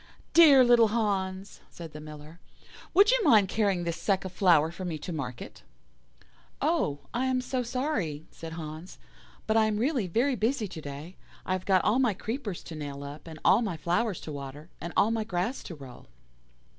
"'Dear little Hans,' said the Miller, 'would you mind carrying this sack of flour for me to market?' "'Oh, I am so sorry,' said Hans, 'but I am really very busy to day. I have got all my creepers to nail up, and all my flowers to water, and all my grass to roll.